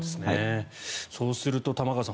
そうすると玉川さん